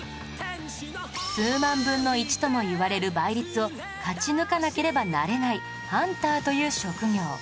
数万分の１ともいわれる倍率を勝ち抜かなければなれないハンターという職業